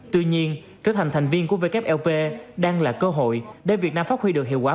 tuy nhiên trở thành thành viên của wop đang là cơ hội để việt nam phát huy được hiệu quả